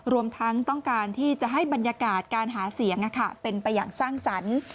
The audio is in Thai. รวมทั้งต้องการที่จะให้บรรยากาศการหาเสียงเป็นไปอย่างสร้างสรรค์